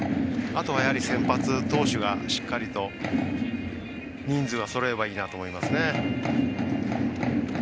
あとは、やはり先発投手がしっかりと人数がそろえばいいなと思いますね。